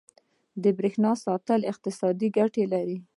• د برېښنا ساتنه اقتصادي ګټه لري.